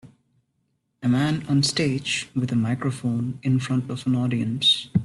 A man on stage with a microphone in front of an audience.